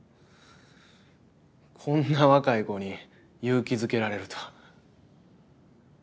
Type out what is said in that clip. こんな若い子に勇気づけられるとは。